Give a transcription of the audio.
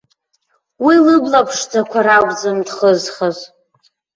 Уи лыбла ԥшӡақәа ракәӡам дхызхыз.